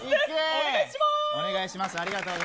お願いします。